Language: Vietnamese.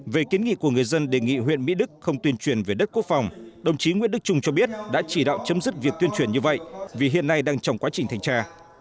về kiến nghị của người dân đề nghị huyện mỹ đức không tuyên truyền về đất quốc phòng đồng chí nguyễn đức trung cho biết đã chỉ đạo chấm dứt việc tuyên truyền như vậy vì hiện nay đang trong quá trình thanh tra